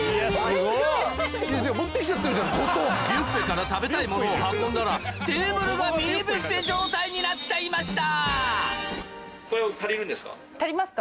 ビュッフェから食べたいものを運んだらテーブルがミニビュッフェ状態になっちゃいました！